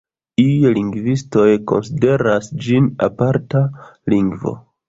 Iuj lingvistoj konsideras ĝin aparta lingvo.